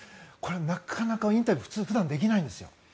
なかなか、インタビュー普通できないんですよ。